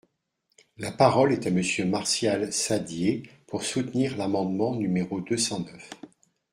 La parole est à Monsieur Martial Saddier, pour soutenir l’amendement numéro deux cent neuf.